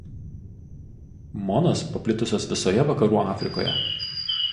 Monos paplitusios visoje Vakarų Afrikoje.